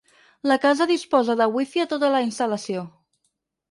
La casa disposa de Wifi a tota la instal·lació.